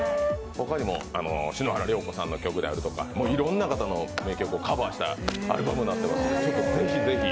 他にも篠原涼子さんの曲だとかいろんな方の名曲をカバーしたアルバムになっていますので、ぜひぜひ。